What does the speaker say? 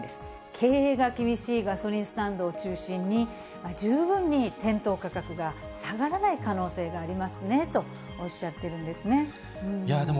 経営が厳しいガソリンスタンドを中心に、十分に店頭価格が下がらない可能性がありますねと、おっしゃってるんですね。